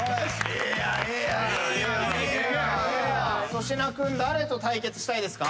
粗品君誰と対決したいですか？